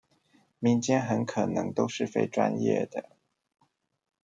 民間很可能都是非專業的